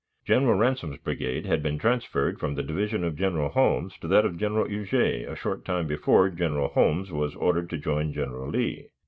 General Ransom's brigade had been transferred from the division of General Holmes to that of General Huger a short time before General Holmes was ordered to join General Lee.